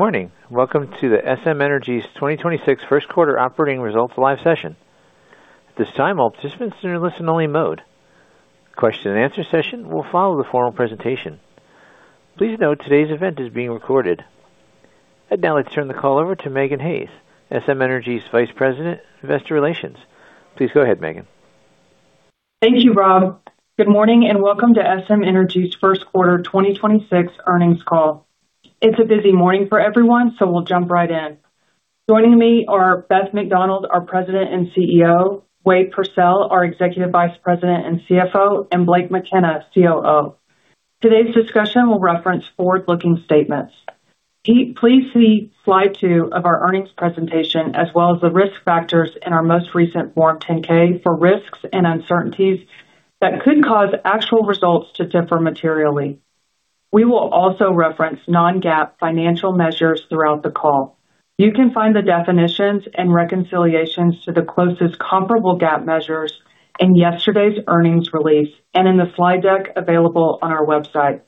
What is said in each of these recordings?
Good morning. Welcome to the SM Energy's 2026 first quarter operating results live session. At this time, all participants are in listen-only mode. Question and answer session will follow the formal presentation. Please note today's event is being recorded. Now let's turn the call over to Megan Hays, SM Energy's Vice President, Investor Relations. Please go ahead, Megan. Thank you, Rob. Good morning and welcome to SM Energy's first quarter 2026 earnings call. It's a busy morning for everyone, so we'll jump right in. Joining me are Beth McDonald, our President and CEO; Wade Pursell, our Executive Vice President and CFO; and Blake McKenna, COO. Today's discussion will reference forward-looking statements. Please see slide 2 of our earnings presentation, as well as the risk factors in our most recent Form 10-K for risks and uncertainties that could cause actual results to differ materially. We will also reference non-GAAP financial measures throughout the call. You can find the definitions and reconciliations to the closest comparable GAAP measures in yesterday's earnings release and in the slide deck available on our website.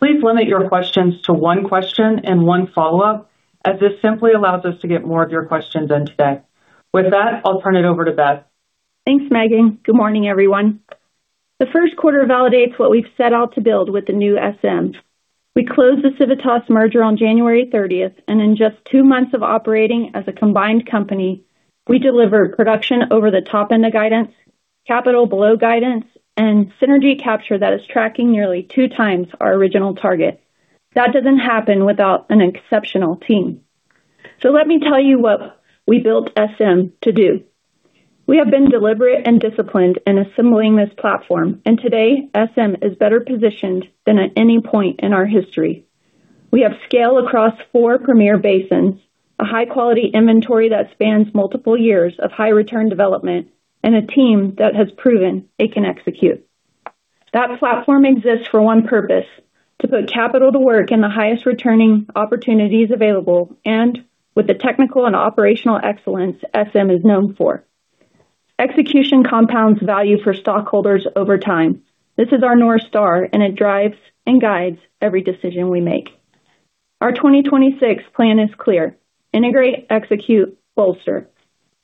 Please limit your questions to one question and one follow-up, as this simply allows us to get more of your questions in today. With that, I'll turn it over to Beth. Thanks, Megan. Good morning, everyone. The first quarter validates what we've set out to build with the new SM. We closed the Civitas merger on January 30th, and in just two months of operating as a combined company, we delivered production over the top end of guidance, capital below guidance, and synergy capture that is tracking nearly 2x our original target. That doesn't happen without an exceptional team. Let me tell you what we built SM to do. We have been deliberate and disciplined in assembling this platform, and today, SM is better positioned than at any point in our history. We have scale across four premier basins, a high-quality inventory that spans multiple years of high return development, and a team that has proven it can execute. That platform exists for one purpose, to put capital to work in the highest returning opportunities available and with the technical and operational excellence SM is known for. Execution compounds value for stockholders over time. This is our North Star. It drives and guides every decision we make. Our 2026 plan is clear: integrate, execute, bolster.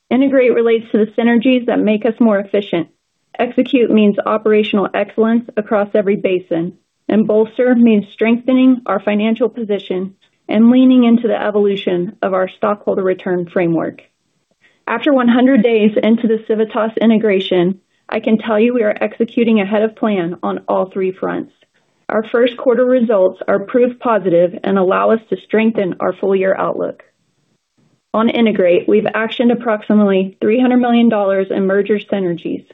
Integrate relates to the synergies that make us more efficient. Execute means operational excellence across every basin. Bolster means strengthening our financial position and leaning into the evolution of our stockholder return framework. After 100 days into the Civitas integration, I can tell you we are executing ahead of plan on all three fronts. Our first quarter results are proof positive and allow us to strengthen our full-year outlook. We've actioned approximately $300 million in merger synergies.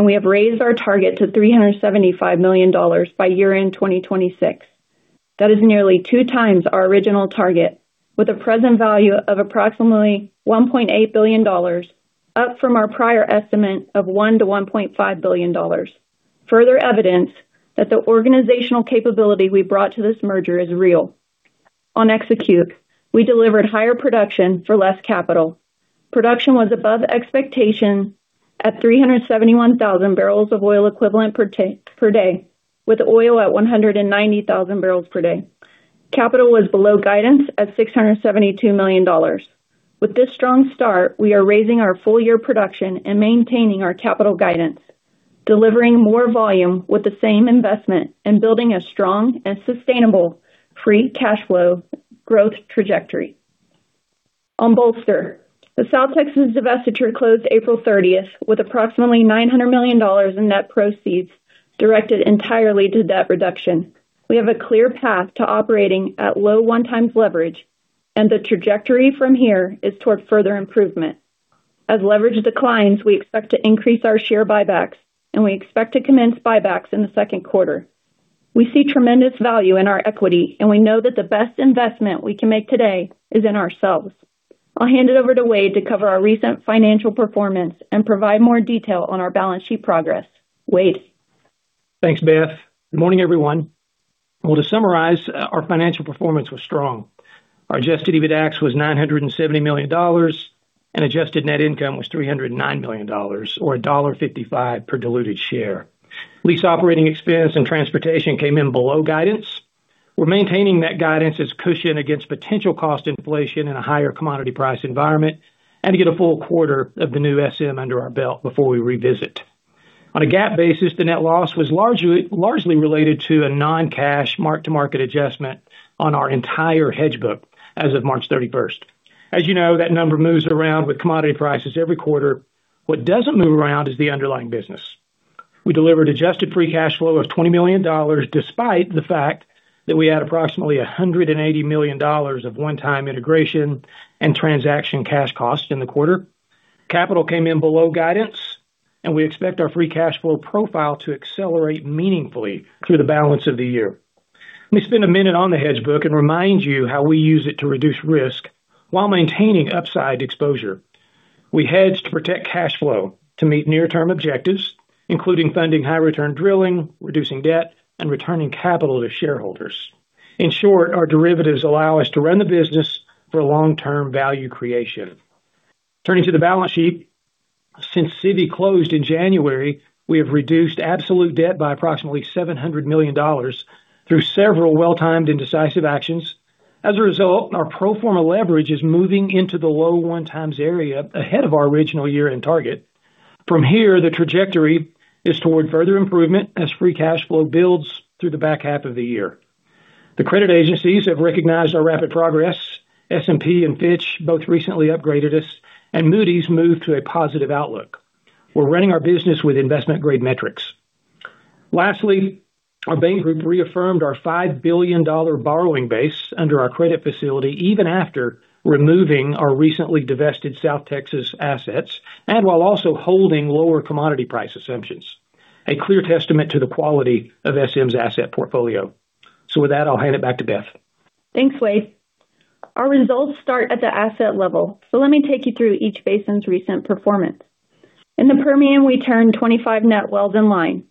We have raised our target to $375 million by year-end 2026. That is nearly 2x our original target, with a present value of approximately $1.8 billion, up from our prior estimate of $1 billion-$1.5 billion. Further evidence that the organizational capability we brought to this merger is real. On execute, we delivered higher production for less capital. Production was above expectations at 371,000 BOE per day, with oil at 190,000 barrels per day. Capital was below guidance at $672 million. With this strong start, we are raising our full-year production and maintaining our capital guidance, delivering more volume with the same investment and building a strong and sustainable free cash flow growth trajectory. On bolster, the South Texas divestiture closed April 30th, with approximately $900 million in net proceeds directed entirely to debt reduction. We have a clear path to operating at low 1x leverage, and the trajectory from here is toward further improvement. As leverage declines, we expect to increase our share buybacks, and we expect to commence buybacks in the second quarter. We see tremendous value in our equity. We know that the best investment we can make today is in ourselves. I'll hand it over to Wade to cover our recent financial performance and provide more detail on our balance sheet progress. Wade. Thanks, Beth. Good morning, everyone. To summarize, our financial performance was strong. Our adjusted EBITDAX was $970 million, and adjusted net income was $309 million or $1.55 per diluted share. Lease operating expense and transportation came in below guidance. We're maintaining that guidance as cushion against potential cost inflation in a higher commodity price environment and to get a full quarter of the new SM under our belt before we revisit. On a GAAP basis, the net loss was largely related to a non-cash mark-to-market adjustment on our entire hedge book as of March 31st. As you know, that number moves around with commodity prices every quarter. What doesn't move around is the underlying business. We delivered adjusted free cash flow of $20 million, despite the fact that we had approximately $180 million of one-time integration and transaction cash costs in the quarter. Capital came in below guidance. We expect our free cash flow profile to accelerate meaningfully through the balance of the year. Let me spend a minute on the hedge book and remind you how we use it to reduce risk while maintaining upside exposure. We hedge to protect cash flow to meet near-term objectives, including funding high return drilling, reducing debt, and returning capital to shareholders. In short, our derivatives allow us to run the business for long-term value creation. Turning to the balance sheet. Since Civitas closed in January, we have reduced absolute debt by approximately $700 million through several well-timed and decisive actions. As a result, our pro forma leverage is moving into the low 1 times area ahead of our original year-end target. From here, the trajectory is toward further improvement as free cash flow builds through the back half of the year. The credit agencies have recognized our rapid progress. S&P and Fitch both recently upgraded us, and Moody's moved to a positive outlook. We're running our business with investment-grade metrics. Lastly, our bank group reaffirmed our $5 billion borrowing base under our credit facility, even after removing our recently divested South Texas assets and while also holding lower commodity price assumptions, a clear testament to the quality of SM's asset portfolio. With that, I'll hand it back to Beth. Thanks, Wade. Our results start at the asset level. Let me take you through each basin's recent performance. In the Permian, we turned 25 net wells in line.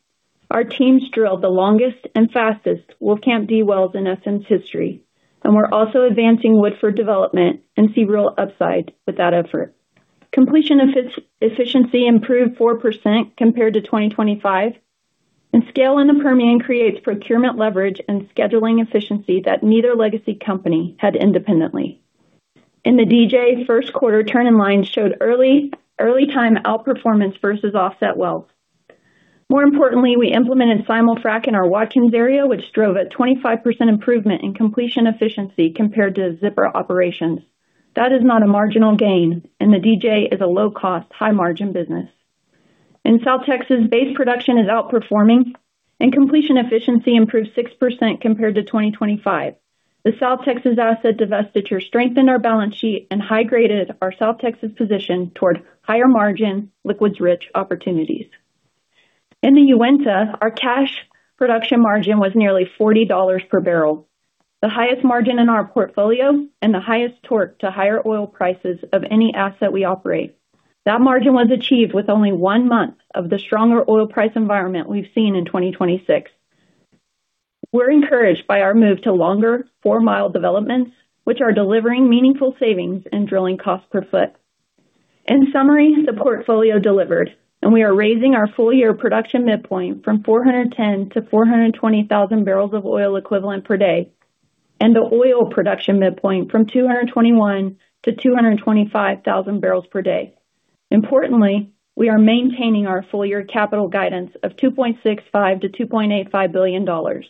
Our teams drilled the longest and fastest Wolfcamp D wells in SM's history. We're also advancing Woodford development and see real upside with that effort. Completion efficiency improved 4% compared to 2025. Scale in the Permian creates procurement leverage and scheduling efficiency that neither legacy company had independently. In the D.J., 1st quarter turn in lines showed early time outperformance versus offset wells. More importantly, we implemented simul-frac in our Watkins area, which drove a 25% improvement in completion efficiency compared to zipper operations. That is not a marginal gain. The D.J. is a low-cost, high-margin business. In South Texas, base production is outperforming, and completion efficiency improved 6% compared to 2025. The South Texas asset divestiture strengthened our balance sheet and high-graded our South Texas position toward higher margin, liquids-rich opportunities. In the Uinta, our cash production margin was nearly $40 per barrel, the highest margin in our portfolio and the highest torque to higher oil prices of any asset we operate. That margin was achieved with only one month of the stronger oil price environment we've seen in 2026. We're encouraged by our move to longer 4-mile developments, which are delivering meaningful savings in drilling cost per foot. In summary, the portfolio delivered, and we are raising our full-year production midpoint from 410 to 420,000 BOE per day and the oil production midpoint from 221 to 225,000 barrels per day. Importantly, we are maintaining our full-year CapEx guidance of $2.65 billion-$2.85 billion.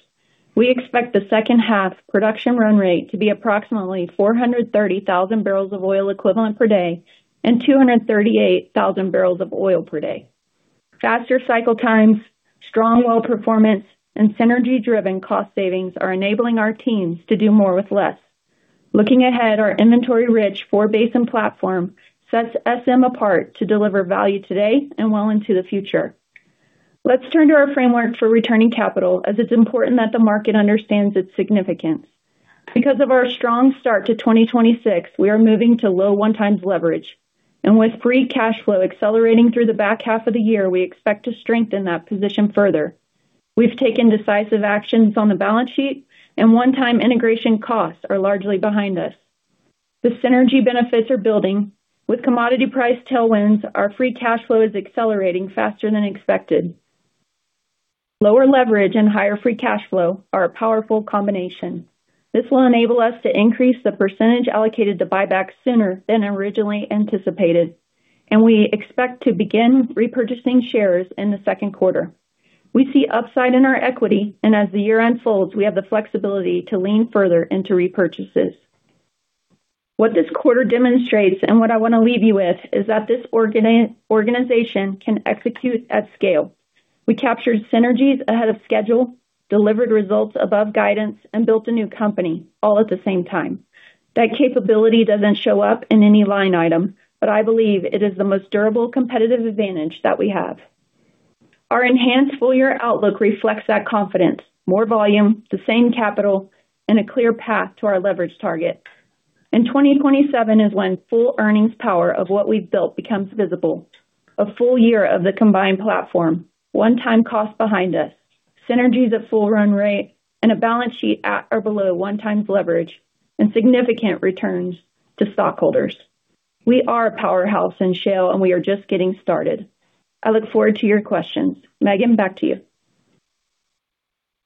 We expect the second half production run rate to be approximately 430,000 BOE per day and 238,000 barrels of oil per day. Faster cycle times, strong well performance, and synergy-driven cost savings are enabling our teams to do more with less. Looking ahead, our inventory-rich four-basin platform sets SM apart to deliver value today and well into the future. Let's turn to our framework for returning capital, as it's important that the market understands its significance. Because of our strong start to 2026, we are moving to low 1x leverage. With free cash flow accelerating through the back half of the year, we expect to strengthen that position further. We've taken decisive actions on the balance sheet, and 1-time integration costs are largely behind us. The synergy benefits are building. With commodity price tailwinds, our free cash flow is accelerating faster than expected. Lower leverage and higher free cash flow are a powerful combination. This will enable us to increase the percentage allocated to buyback sooner than originally anticipated, and we expect to begin repurchasing shares in the second quarter. We see upside in our equity, and as the year unfolds, we have the flexibility to lean further into repurchases. What this quarter demonstrates, and what I wanna leave you with, is that this organization can execute at scale. We captured synergies ahead of schedule, delivered results above guidance, and built a new company all at the same time. That capability doesn't show up in any line item, but I believe it is the most durable competitive advantage that we have. Our enhanced full-year outlook reflects that confidence, more volume, the same capital, and a clear path to our leverage target. 2027 is when full earnings power of what we've built becomes visible. A full year of the combined platform, one-time cost behind us, synergies at full run rate, and a balance sheet at or below 1 times leverage, significant returns to stockholders. We are a powerhouse in shale, we are just getting started. I look forward to your questions. Megan, back to you.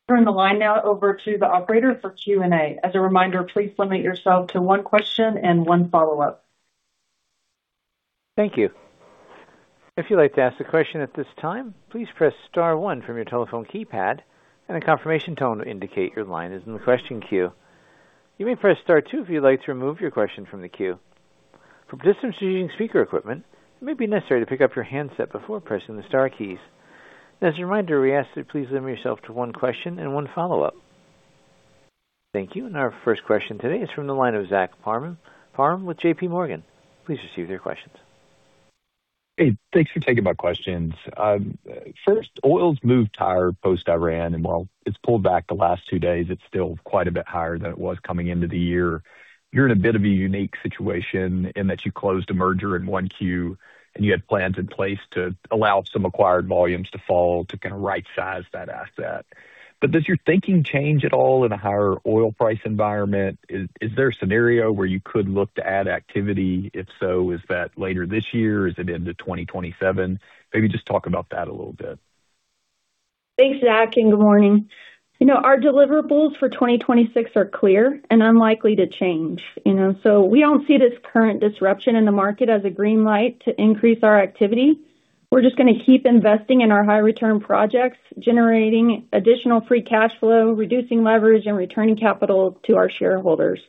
Turn the line now over to the operator for Q&A. As a reminder, please limit yourself to one question and one follow-up. Thank you. If you'd like to ask a question at this time, please press star 1 from your telephone keypad, and a confirmation tone will indicate your line is in the question queue. You may press star two if you'd like to remove your question from the queue. For participants using speaker equipment, it may be necessary to pick up your handset before pressing the star keys. As a reminder, we ask that you please limit yourself to one question and one follow-up. Thank you. Our first question today is from the line of Zach Parham. Parham with JPMorgan, please receive your questions. Hey, thanks for taking my questions. First, oil's moved higher post Iran. While it's pulled back the last two days, it's still quite a bit higher than it was coming into the year. You're in a bit of a unique situation in that you closed a merger in 1Q, and you had plans in place to allow some acquired volumes to fall to kinda right-size that asset. Does your thinking change at all in a higher oil price environment? Is there a scenario where you could look to add activity? If so, is that later this year? Is it into 2027? Maybe just talk about that a little bit. Thanks, Zach, and good morning. You know, our deliverables for 2026 are clear and unlikely to change, you know. We don't see this current disruption in the market as a green light to increase our activity. We're just gonna keep investing in our high return projects, generating additional free cash flow, reducing leverage, and returning capital to our shareholders.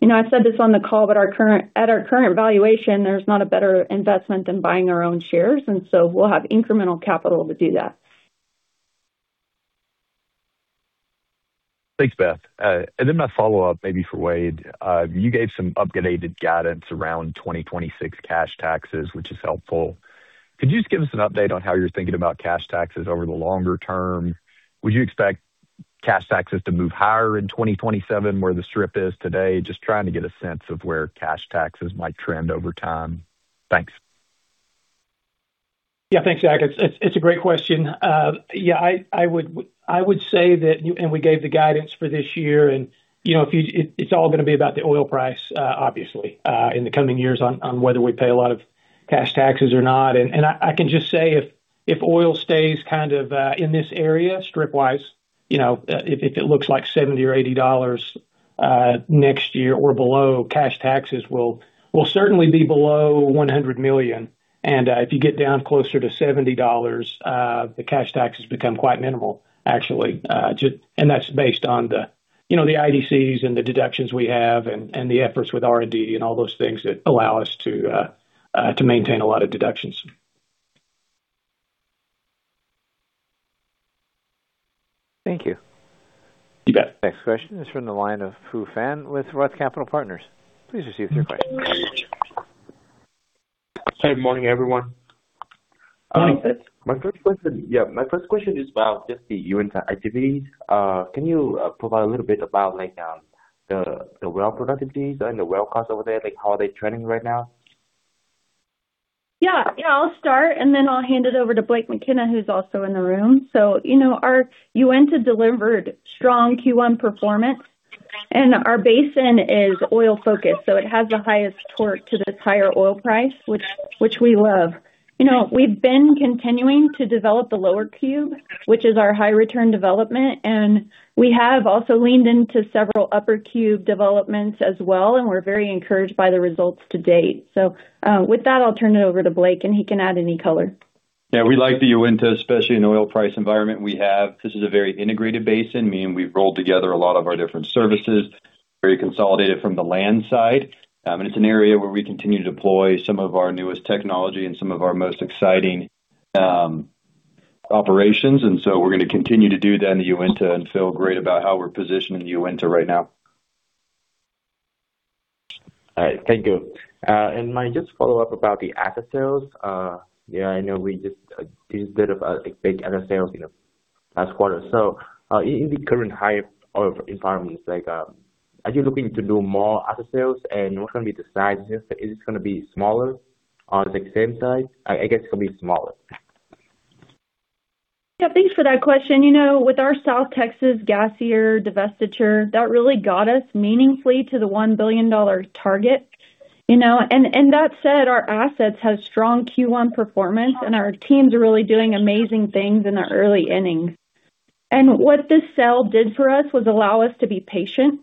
You know, I've said this on the call, but at our current valuation, there's not a better investment than buying our own shares, and so we'll have incremental capital to do that. Thanks, Beth. My follow-up may be for Wade. You gave some updated guidance around 2026 cash taxes, which is helpful. Could you just give us an update on how you're thinking about cash taxes over the longer term? Would you expect cash taxes to move higher in 2027 where the strip is today? Just trying to get a sense of where cash taxes might trend over time. Thanks. Thanks, Zach. It's a great question. I would say that you and we gave the guidance for this year, you know, it's all gonna be about the oil price, obviously, in the coming years on whether we pay a lot of cash taxes or not. I can just say if oil stays kind of in this area strip wise, you know, if it looks like $70 or $80 next year or below, cash taxes will certainly be below $100 million. If you get down closer to $70, the cash taxes become quite minimal, actually. That's based on the, you know, the IDCs and the deductions we have and the efforts with R&D and all those things that allow us to maintain a lot of deductions. Thank you. You bet. Next question is from the line of Foo Fan with ROTH Capital Partners. Please receive your question. Hey, good morning, everyone. Hi. My first question is about just the Uinta activities. Can you provide a little bit about, like, the well productivities and the well costs over there? Like, how are they trending right now? I'll start, and then I'll hand it over to Blake McKenna, who's also in the room. You know, our Uinta delivered strong Q1 performance, and our basin is oil-focused, so it has the highest torque to this higher oil price, which we love. You know, we've been continuing to develop the lower cube, which is our high return development, and we have also leaned into several upper cube developments as well, and we're very encouraged by the results to date. With that, I'll turn it over to Blake, and he can add any color. Yeah. We like the Uinta, especially in oil price environment we have. This is a very integrated basin, meaning we've rolled together a lot of our different services, very consolidated from the land side. It's an area where we continue to deploy some of our newest technology and some of our most exciting operations. We're gonna continue to do that in the Uinta and feel great about how we're positioning Uinta right now. All right. Thank you. My just follow-up about the asset sales. Yeah, I know we just did a bit of a, like, big asset sales, you know, last quarter. In the current high oil environments, like, are you looking to do more asset sales? What's gonna be the size of this? Is it gonna be smaller or, like, same size? I guess could be smaller. Yeah, thanks for that question. You know, with our South Texas gassier divestiture, that really got us meaningfully to the $1 billion target, you know. That said, our assets have strong Q1 performance, and our teams are really doing amazing things in the early innings. What this sale did for us was allow us to be patient,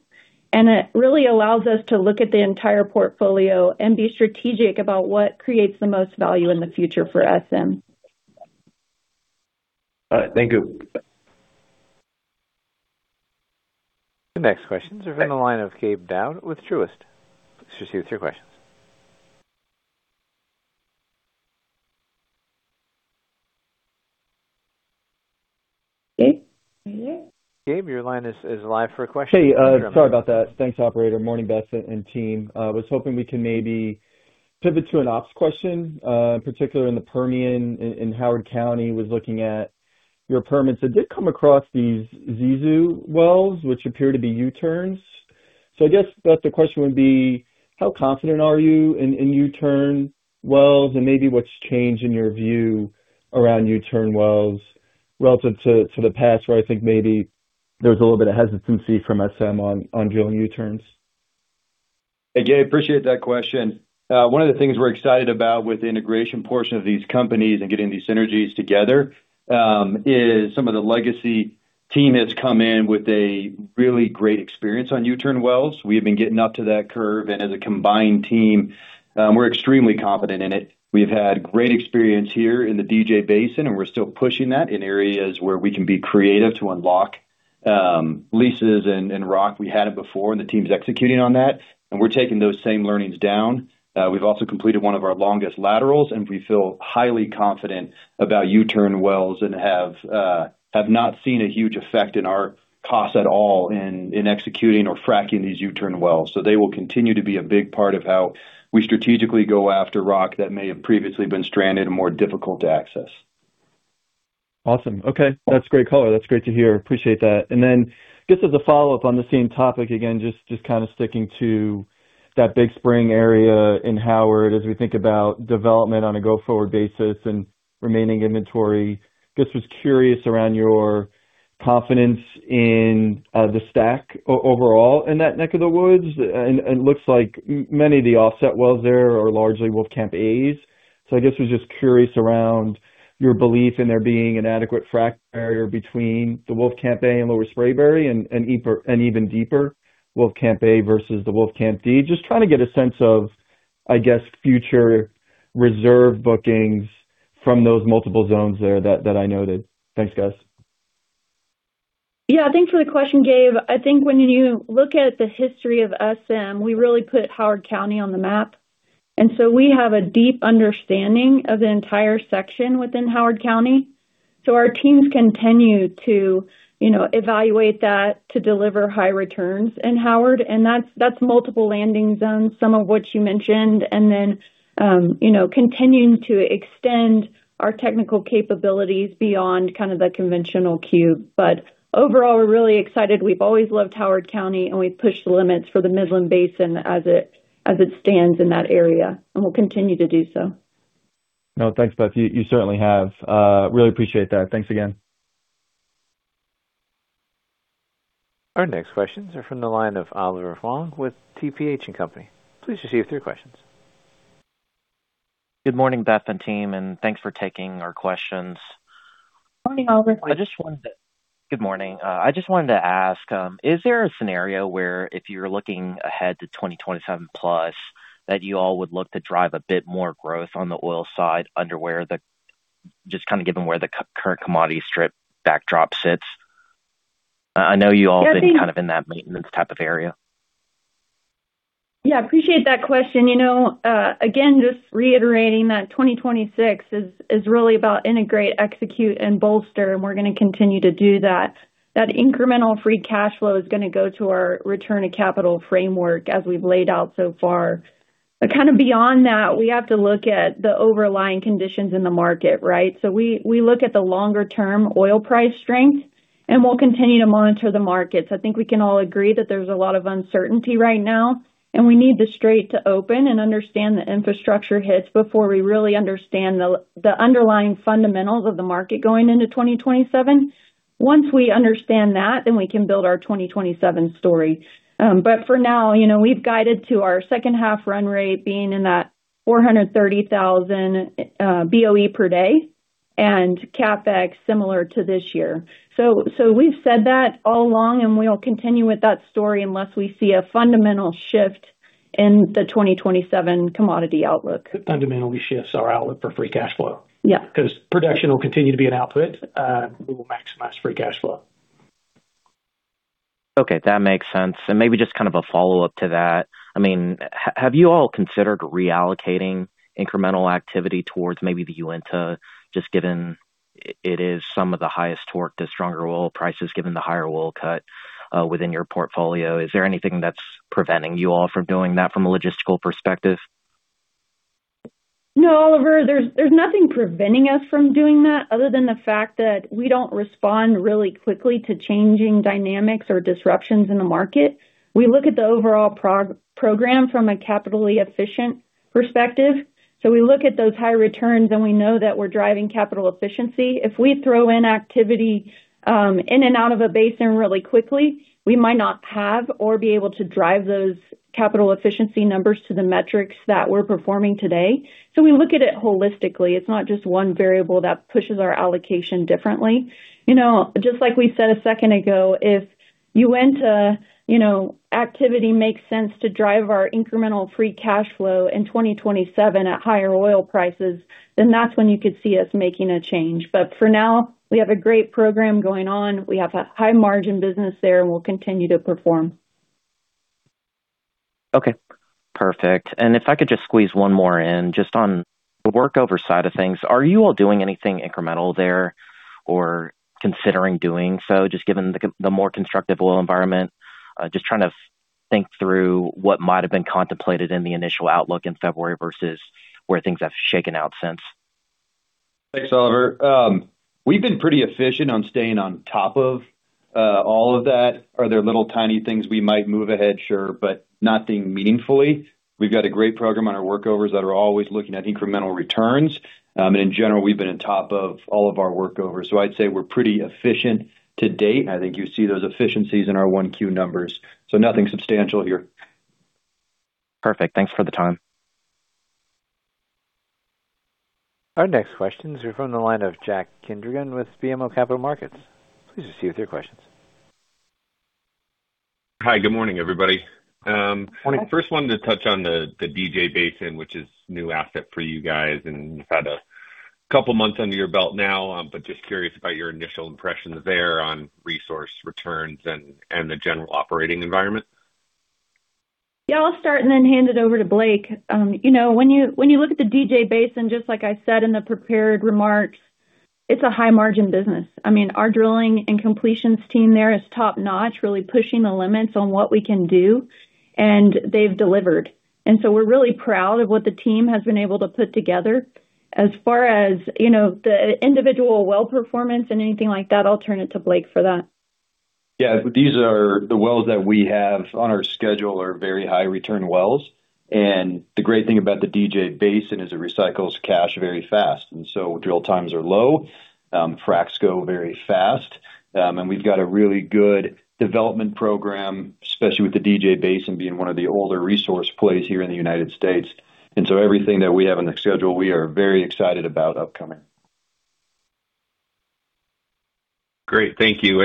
and it really allows us to look at the entire portfolio and be strategic about what creates the most value in the future for SM. All right. Thank you. The next questions are from the line of Gabe Daoud with Truist. Please proceed with your questions. Gabe? Gabe, your line is live for a question. You can unmute. Hey, sorry about that. Thanks, operator. Morning, Beth and team. Was hoping we can maybe pivot to an ops question. In particular in the Permian in Howard County, was looking at your permits. I did come across these U-turn wells, which appear to be U-turns. I guess, Beth, the question would be: How confident are you in U-turn wells? Maybe what's changed in your view around U-turn wells relative to the past, where I think maybe there was a little bit of hesitancy from SM on drilling U-turns. Hey, Gabe, appreciate that question. One of the things we're excited about with the integration portion of these companies and getting these synergies together, is some of the legacy team has come in with a really great experience on U-turn wells. We have been getting up to that curve. As a combined team, we're extremely confident in it. We've had great experience here in the DJ Basin, and we're still pushing that in areas where we can be creative to unlock leases and rock. We hadn't before, and the team's executing on that, and we're taking those same learnings down. We've also completed one of our longest laterals, and we feel highly confident about U-turn wells and have not seen a huge effect in our costs at all in executing or fracking these U-turn wells. They will continue to be a big part of how we strategically go after rock that may have previously been stranded and more difficult to access. Awesome. Okay. That's great color. That's great to hear. Appreciate that. Just as a follow-up on the same topic, again, just kind of sticking to that Big Spring area in Howard as we think about development on a go-forward basis and remaining inventory. Just was curious around your confidence in the stack overall in that neck of the woods. It looks like many of the offset wells there are largely Wolfcamp As. I guess I was just curious around your belief in there being an adequate frac barrier between the Wolfcamp A and Lower Spraberry and even deeper Wolfcamp A versus the Wolfcamp D. Just trying to get a sense of, I guess, future reserve bookings from those multiple zones there that I noted. Thanks, guys. Yeah, thanks for the question, Gabe. I think when you look at the history of SM, we really put Howard County on the map. We have a deep understanding of the entire section within Howard County. Our teams continue to, you know, evaluate that to deliver high returns in Howard. That's multiple landing zones, some of which you mentioned. You know, continuing to extend our technical capabilities beyond kind of the conventional cube. Overall, we're really excited. We've always loved Howard County, and we push the limits for the Midland Basin as it stands in that area, and we'll continue to do so. No, thanks, Beth. You certainly have. Really appreciate that. Thanks again. Our next questions are from the line of Oliver Huang with TPH&Co. Please proceed with your questions. Good morning, Beth and team. Thanks for taking our questions. Morning, Oliver. Good morning. I just wanted to ask, is there a scenario where if you're looking ahead to 2027 plus that you all would look to drive a bit more growth on the oil side under just kind of given where the current commodity strip backdrop sits? I know you all have been. Yeah. kind of in that maintenance type of area. Yeah, appreciate that question. You know, again, just reiterating that 2026 is really about integrate, execute, and bolster, we're gonna continue to do that. That incremental free cash flow is gonna go to our return of capital framework as we've laid out so far. Kind of beyond that, we have to look at the overlying conditions in the market, right? We look at the longer term oil price strength, we'll continue to monitor the markets. I think we can all agree that there's a lot of uncertainty right now, we need the Strait to open and understand the infrastructure hits before we really understand the underlying fundamentals of the market going into 2027. Once we understand that, we can build our 2027 story. For now, you know, we've guided to our second half run rate being in that 430,000 BOE per day and CapEx similar to this year. We've said that all along, and we'll continue with that story unless we see a fundamental shift in the 2027 commodity outlook. Fundamental shifts our outlook for free cash flow. Yeah. 'Cause production will continue to be an output, and we will maximize free cash flow. Okay, that makes sense. Maybe just kind of a follow-up to that. I mean, have you all considered reallocating incremental activity towards maybe the Uinta, just given it is some of the highest torque to stronger oil prices given the higher oil cut within your portfolio? Is there anything that's preventing you all from doing that from a logistical perspective? No, Oliver. There's nothing preventing us from doing that other than the fact that we don't respond really quickly to changing dynamics or disruptions in the market. We look at the overall program from a capitally efficient perspective. We look at those high returns, and we know that we're driving capital efficiency. If we throw in activity in and out of a basin really quickly, we might not have or be able to drive those capital efficiency numbers to the metrics that we're performing today. We look at it holistically. It's not just one variable that pushes our allocation differently. You know, just like we said a second ago, if Uinta, you know, activity makes sense to drive our incremental free cash flow in 2027 at higher oil prices, then that's when you could see us making a change. For now, we have a great program going on. We have a high margin business there. We'll continue to perform. Okay. Perfect. If I could just squeeze one more in, just on the workover side of things, are you all doing anything incremental there or considering doing so, just given the more constructive oil environment? Just trying to think through what might have been contemplated in the initial outlook in February versus where things have shaken out since. Thanks, Oliver. We've been pretty efficient on staying on top of all of that. Are there little tiny things we might move ahead? Sure. Nothing meaningfully. We've got a great program on our workovers that are always looking at incremental returns. In general, we've been on top of all of our workovers. I'd say we're pretty efficient to date, and I think you see those efficiencies in our 1Q numbers. Nothing substantial here. Perfect. Thanks for the time. Our next questions are from the line of Jack Kindregan with BMO Capital Markets. Please proceed with your questions. Hi, good morning, everybody. Morning. First wanted to touch on the DJ Basin, which is new asset for you guys, and you've had two months under your belt now. I'm just curious about your initial impressions there on resource returns and the general operating environment. Yeah, I'll start and then hand it over to Blake. You know, when you, when you look at the DJ Basin, just like I said in the prepared remarks, it's a high margin business. I mean, our drilling and completions team there is top-notch, really pushing the limits on what we can do, and they've delivered. We're really proud of what the team has been able to put together. As far as, you know, the individual well performance and anything like that, I'll turn it to Blake for that. Yeah, these are the wells that we have on our schedule are very high return wells. The great thing about the DJ Basin is it recycles cash very fast. Drill times are low, fracs go very fast. We've got a really good development program, especially with the DJ Basin being one of the older resource plays here in the United States. Everything that we have on the schedule, we are very excited about upcoming. Great. Thank you.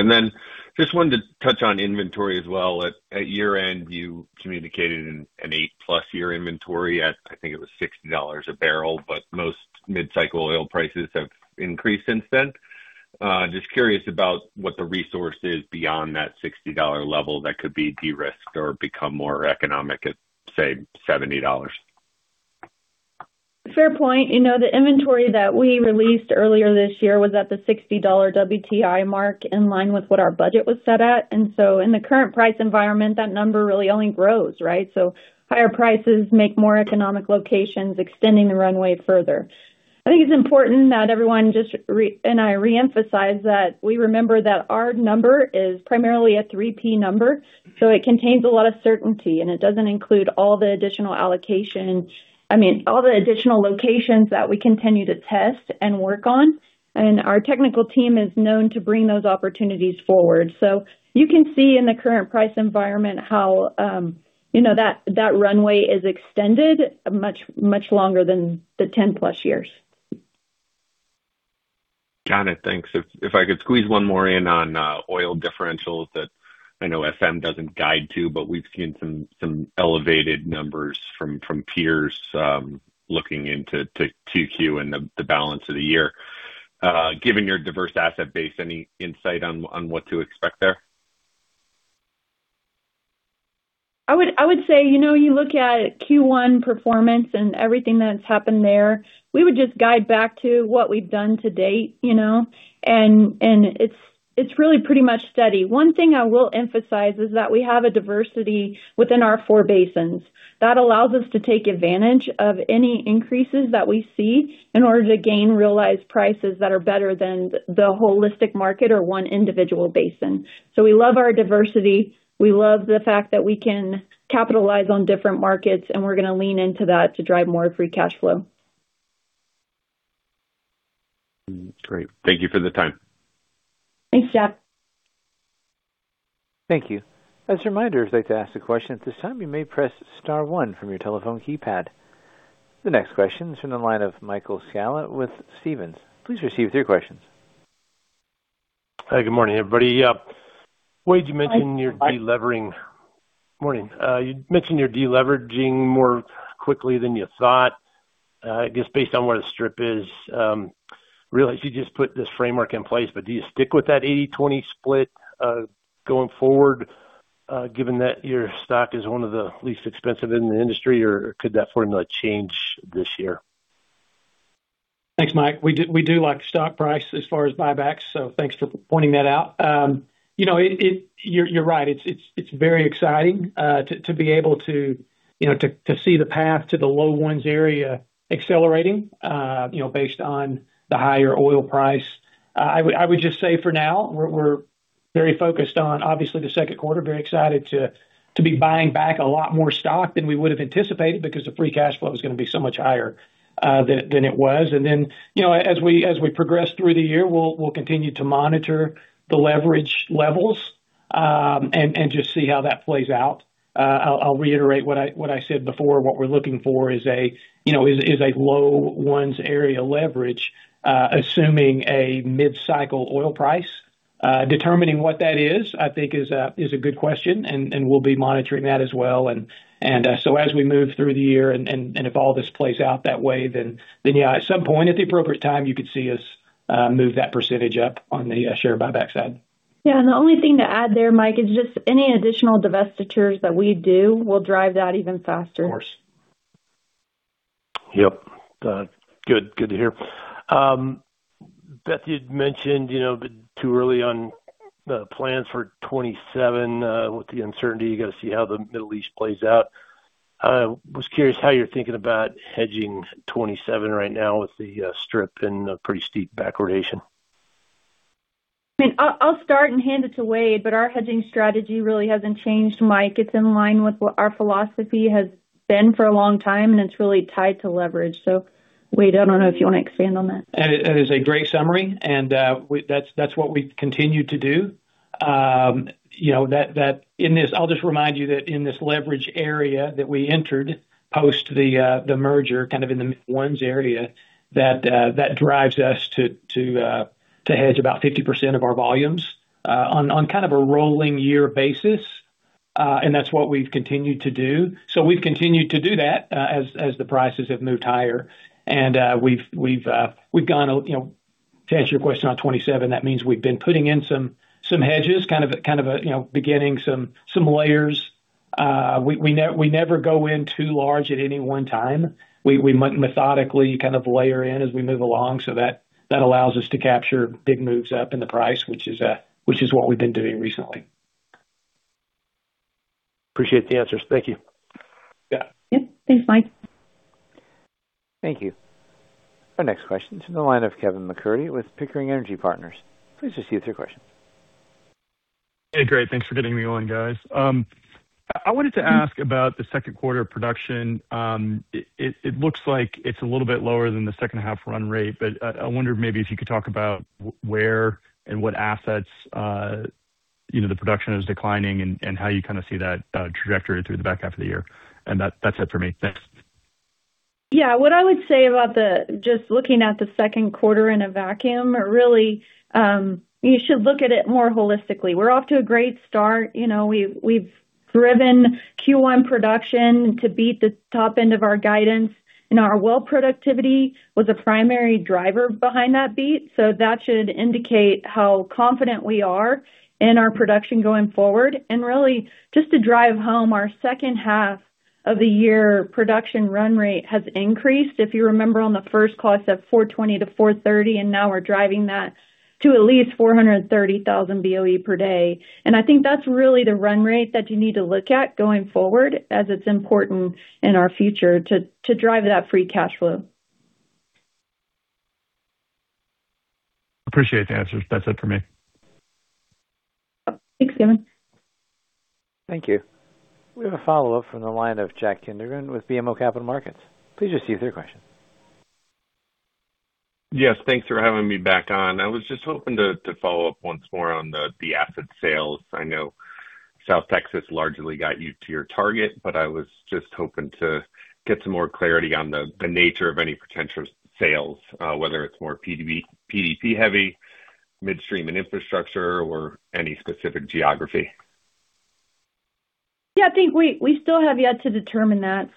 Just wanted to touch on inventory as well. At year-end, you communicated an 8+ year inventory at, I think it was $60 a barrel, but most mid-cycle oil prices have increased since then. Just curious about what the resource is beyond that $60 level that could be de-risked or become more economic at, say, $70. Fair point. You know, the inventory that we released earlier this year was at the $60 WTI mark, in line with what our budget was set at. In the current price environment, that number really only grows, right? Higher prices make more economic locations extending the runway further. I think it's important that everyone just reemphasize that we remember that our number is primarily a 3P number, it contains a lot of certainty, it doesn't include all the additional allocation. I mean, all the additional locations that we continue to test and work on, our technical team is known to bring those opportunities forward. You can see in the current price environment how, you know, that runway is extended much, much longer than the 10+ years. Got it. Thanks. If I could squeeze one more in on oil differentials that I know SM doesn't guide to, but we've seen some elevated numbers from peers looking into 2Q and the balance of the year. Given your diverse asset base, any insight on what to expect there? I would say, you know, you look at Q1 performance and everything that's happened there, we would just guide back to what we've done to date, you know. It's really pretty much steady. One thing I will emphasize is that we have a diversity within our four basins that allows us to take advantage of any increases that we see in order to gain realized prices that are better than the holistic market or one individual basin. We love our diversity. We love the fact that we can capitalize on different markets. We're gonna lean into that to drive more free cash flow. Great. Thank you for the time. Thanks, Jack. Thank you. As a reminder, if you'd like to ask a question at this time, you may press star one from your telephone keypad. The next question is from the line of Michael Scialla with Stephens. Please receive your questions. Hi, good morning, everybody. Wade, you mentioned you're de-levering. Hi. Morning. You mentioned you're de-leveraging more quickly than you thought, I guess based on where the strip is. Realize you just put this framework in place, but do you stick with that 80/20 split going forward, given that your stock is one of the least expensive in the industry, or could that formula change this year? Thanks, Mike. We do like the stock price as far as buybacks, thanks for pointing that out. You know, you're right. It's very exciting to be able to, you know, to see the path to the low 1s area accelerating, you know, based on the higher oil price. I would just say for now, we're very focused on obviously the second quarter, very excited to be buying back a lot more stock than we would have anticipated because the free cash flow is gonna be so much higher than it was. You know, as we progress through the year, we'll continue to monitor the leverage levels and just see how that plays out. I'll reiterate what I said before. What we're looking for is a, you know, is a low ones area leverage, assuming a mid-cycle oil price. Determining what that is, I think is a good question and we'll be monitoring that as well. As we move through the year and if all this plays out that way, then yeah, at some point at the appropriate time, you could see us move that % up on the share buyback side. Yeah. The only thing to add there, Mike, is just any additional divestitures that we do will drive that even faster. Of course. Yep. Good. Good to hear. Beth, you'd mentioned, you know, a bit too early on the plans for 2027, with the uncertainty, you got to see how the Middle East plays out. I was curious how you're thinking about hedging 2027 right now with the strip and a pretty steep backwardation. I mean, I'll start and hand it to Wade. Our hedging strategy really hasn't changed, Mike. It's in line with what our philosophy has been for a long time, and it's really tied to leverage. Wade, I don't know if you want to expand on that. That is a great summary. That's what we continue to do. You know, that in this leverage area that we entered post the merger, kind of in the ones area, that drives us to hedge about 50% of our volumes on kind of a rolling year basis. That's what we've continued to do. We've continued to do that as the prices have moved higher. We've gone, you know, to answer your question on 27, that means we've been putting in some hedges, kind of a, you know, beginning some layers. We never go in too large at any one time. We methodically kind of layer in as we move along. That allows us to capture big moves up in the price, which is what we've been doing recently. Appreciate the answers. Thank you. Yeah. Yeah. Thanks, Michael. Thank you. Our next question is in the line of Kevin MacCurdy with Pickering Energy Partners. Hey, great. Thanks for getting me on, guys. I wanted to ask about the second quarter production. It looks like it's a little bit lower than the second half run rate. I wonder maybe if you could talk about where and what assets, you know, the production is declining and how you kind of see that trajectory through the back half of the year. That's it for me. Thanks. Yeah. What I would say about just looking at the second quarter in a vacuum, really, you should look at it more holistically. We're off to a great start. You know, we've driven Q1 production to beat the top end of our guidance, and our well productivity was a primary driver behind that beat. That should indicate how confident we are in our production going forward. Really, just to drive home, our second half of the year production run rate has increased. If you remember on the first call, it's at 420-430, now we're driving that to at least 430,000 BOE per day. I think that's really the run rate that you need to look at going forward, as it's important in our future to drive that free cash flow. Appreciate the answers. That's it for me. Thanks, Kevin. Thank you. We have a follow-up from the line of Jack Kindregan with BMO Capital Markets. Please just give your question. Yes, thanks for having me back on. I was just hoping to follow up once more on the asset sales. I know South Texas largely got you to your target, but I was just hoping to get some more clarity on the nature of any potential sales, whether it's more PDP-heavy, midstream and infrastructure or any specific geography. Yeah, I think we still have yet to determine that.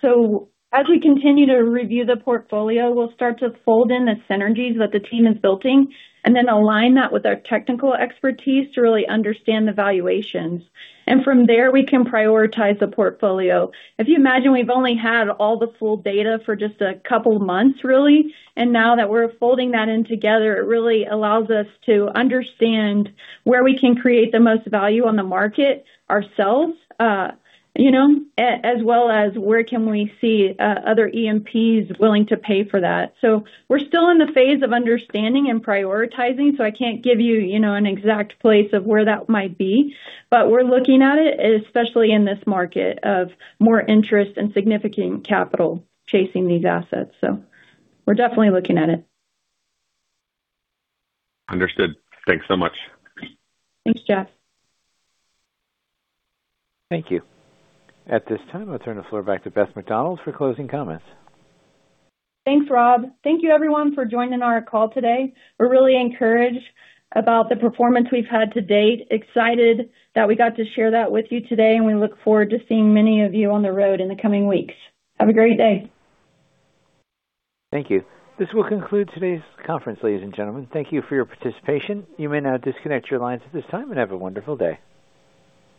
As we continue to review the portfolio, we'll start to fold in the synergies that the team is building and then align that with our technical expertise to really understand the valuations. From there, we can prioritize the portfolio. If you imagine, we've only had all the full data for just a couple months, really, and now that we're folding that in together, it really allows us to understand where we can create the most value on the market ourselves, you know, as well as where can we see other E&Ps willing to pay for that. We're still in the phase of understanding and prioritizing, so I can't give you know, an exact place of where that might be. We're looking at it, especially in this market of more interest and significant capital chasing these assets. We're definitely looking at it. Understood. Thanks so much. Thanks, Jack. Thank you. At this time, I'll turn the floor back to Beth McDonald for closing comments. Thanks, Rob. Thank you everyone for joining our call today. We're really encouraged about the performance we've had to date. Excited that we got to share that with you today, and we look forward to seeing many of you on the road in the coming weeks. Have a great day. Thank you. This will conclude today's conference, ladies and gentlemen. Thank you for your participation. You may now disconnect your lines at this time, and have a wonderful day.